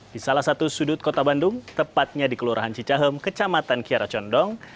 di salah satu sudut kota bandung tepatnya di kelurahan cicahem kecamatan kiara condong